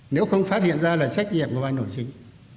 nếu không phát hiện ra là trách nhiệm của ban nội chính